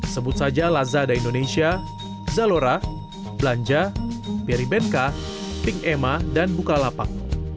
sebut saja lazada indonesia zalora belanja peri benca pink emma dan bukalapak